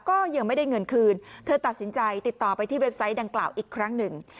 ก็ยังไม่ได้เงินคืนเธอตัดสินใจติดต่อไปที่เว็บไซต์ดังกล่าวอีกครั้งหนึ่ง